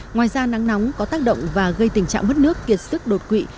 ngoài ra nắng nóng có tác động và gây tình trạng mất nước kiệt sức đột quỵ